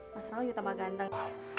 mas rangga yaudah tambah ganteng